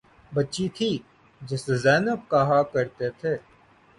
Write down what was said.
بچی تھی جسے زینب کہا کرتے تھے